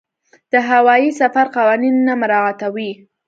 د هوايي سفر قوانین نه مراعاتوي.